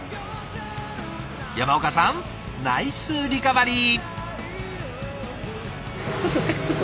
山岡さんナイスリカバリー。